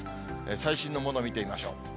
最新のものを見てみましょう。